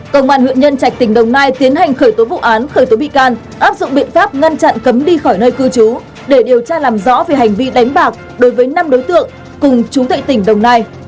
công an huyện nhân trạch tỉnh đồng nai tiến hành khởi tố vụ án khởi tố bị can áp dụng biện pháp ngăn chặn cấm đi khỏi nơi cư trú để điều tra làm rõ về hành vi đánh bạc đối với năm đối tượng cùng chú tệ tỉnh đồng nai